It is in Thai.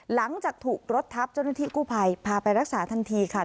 หลังจากถูกรถทับเจ้าหน้าที่กู้ภัยพาไปรักษาทันทีค่ะ